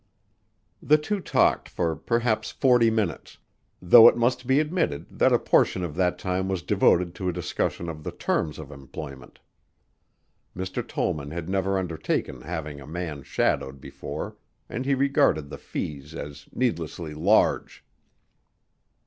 The two talked for perhaps forty minutes though it must be admitted that a portion of that time was devoted to a discussion of the terms of employment. Mr. Tollman had never undertaken having a man shadowed before and he regarded the fees as needlessly large.